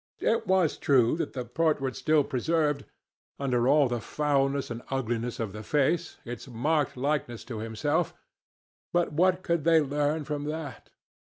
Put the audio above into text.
It was true that the portrait still preserved, under all the foulness and ugliness of the face, its marked likeness to himself; but what could they learn from that?